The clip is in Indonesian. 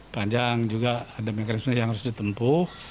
panjang juga ada mekanisme yang harus ditempuh